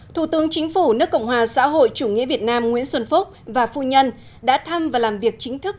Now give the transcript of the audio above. thủ tướng chính phủ nước cộng hòa xã hội chủ nghĩa việt nam nguyễn xuân phúc và phu nhân đã thăm và làm việc chính thức